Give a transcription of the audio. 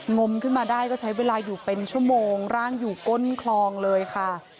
มขึ้นมาได้ก็ใช้เวลาอยู่เป็นชั่วโมงร่างอยู่ก้นคลองเลยค่ะ